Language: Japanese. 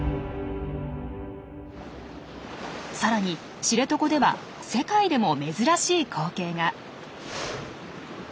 さらに知床では世界でも珍しい光景が。